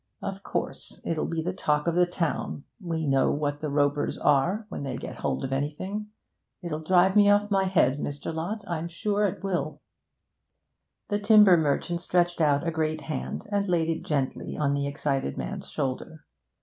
Of course, it'll be the talk of the town; we know what the Ropers are when they get hold of anything. It'll drive me off my head, Mr. Lott, I'm sure it will.' The timber merchant stretched out a great hand, and laid it gently on the excited man's shoulder.